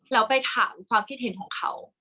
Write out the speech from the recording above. แล้วไปถามความคิดเห็นของเขา